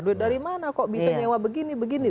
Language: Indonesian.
duit dari mana kok bisa nyewa begini begini